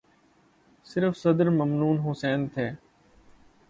صرف صدر ممنون حسین تھے۔